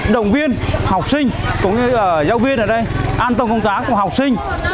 động viên học sinh cũng như giáo viên ở đây an tâm công tác cùng học sinh